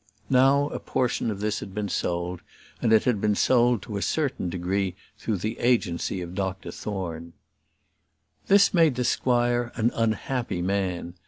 Now a portion of this had been sold, and it had been sold to a certain degree through the agency of Dr Thorne. This made the squire an unhappy man.